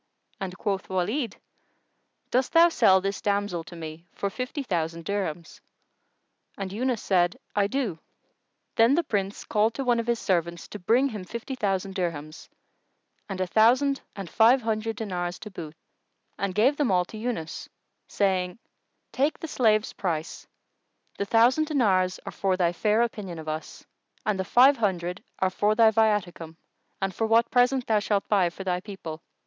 and quoth Walid, "Dost thou sell this damsel to me for fifty thousand dirhams?" And Yunus said, "I do." Then the Prince called to one of his servants to bring him fifty thousand dirhams and a thousand and five hundred dinars to boot, and gave them all to Yunus, saying, "Take the slave's price: the thousand dinars are for thy fair opinion of us and the five hundred are for thy viaticum and for what present thou shalt buy for thy people.